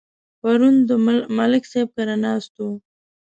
پرون د ملک صاحب کره ناست وو.